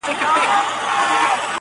شعرونو بیلګې راوړي